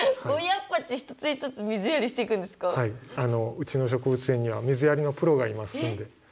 うちの植物園には水やりのプロがいますので。